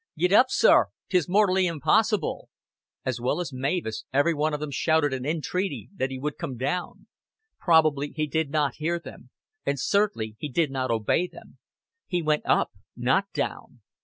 "Gi't up, sir. 'Tis mortally impossible." As well as Mavis, every one of them shouted an entreaty that he would come down. Probably he did not hear them, and certainly he did not obey them. He went up, not down.